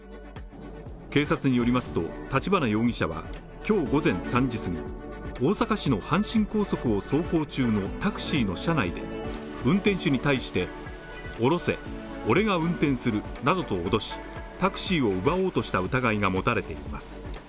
警察によりますと立花容疑者は今日午前３時過ぎ、大阪市の阪神高速を走行中のタクシーの車内で運転手に対して、降ろせ俺が運転するなどと脅し、タクシーを奪おうとした疑いが持たれています。